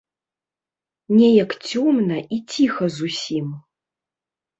Неяк цёмна і ціха зусім.